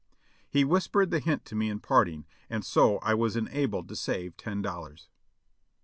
He whispered the hint to me in parting, and so I was enabled to save ten dollars.